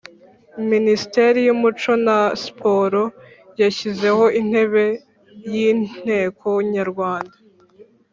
Minisiteri y’Umuco na Siporo yashyizeho intebe y’inteko nyarwanda.